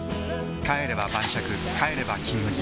帰れば晩酌帰れば「金麦」